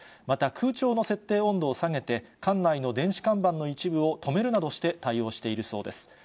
また、空調の設定温度を下げて、館内の電子看板の一部を止めるなどして対応しているそうです。